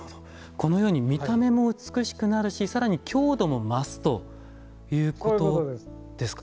このように見た目も美しくなるし更に強度も増すということですか。